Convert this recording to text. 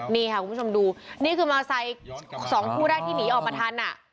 นี่ค่ะคุณผู้ชมดูนี่คือ๒ชายกู้ที่หนีออกมาทัน